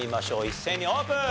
一斉にオープン。